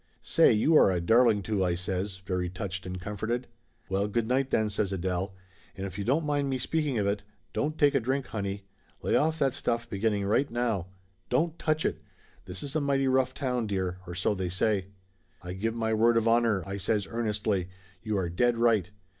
"Say, you are a darling to!" I says, very touched and comforted. "Well, good night then!" says Adele. "And if you don't mind me speaking of it, don't take a drink, honey. Lay off that stuff, beginning right now. Don't touch it ! This is a mighty rough town, dear, or so they say." "I give my word of honor!" I says earnestly. "You are dead right